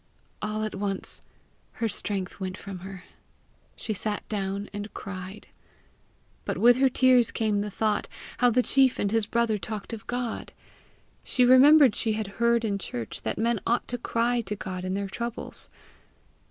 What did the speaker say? All at once her strength went from her. She sat down and cried. But with her tears came the thought how the chief and his brother talked of God. She remembered she had heard in church that men ought to cry to God in their troubles.